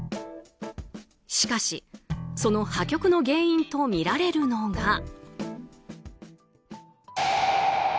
しかし、その破局の原因とみられるのが。